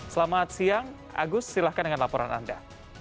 selamat siang agus silahkan dengan laporan anda